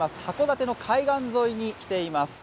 函館の海岸沿いに来ています。